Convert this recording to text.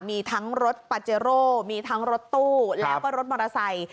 มีทั้งรถปาเจโร่มีทั้งรถตู้แล้วก็รถมอเตอร์ไซค์